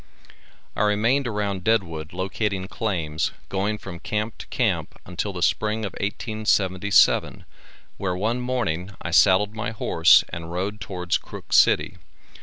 I remained around Deadwood locating claims, going from camp to camp until the spring of 1877, where one morning, I saddled my horse and rode towards Crook city.